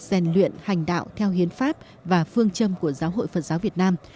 rèn luyện hành đạo theo hiến pháp và phương châm của giáo hội phật giáo việt nam